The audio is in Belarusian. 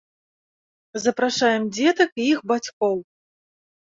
Запрашаем дзетак і іх бацькоў!